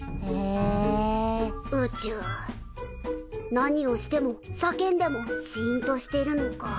何をしてもさけんでもシーンとしてるのか。